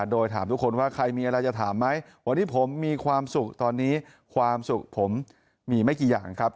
โดยถามทุกคนว่าใครมีอะไรจะถามไหมวันนี้ผมมีความสุขตอนนี้ความสุขผมมีไม่กี่อย่างครับ